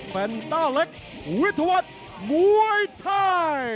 เฟนต้าเล็กวิทัวร์มวยไทย